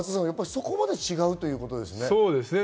そこまで違うということですね。